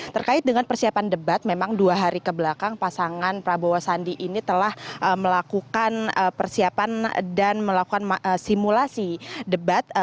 terkait dengan persiapan debat memang dua hari kebelakang pasangan prabowo sandi ini telah melakukan persiapan dan melakukan simulasi debat